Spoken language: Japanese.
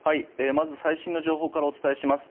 まず、最新の情報からお伝えします。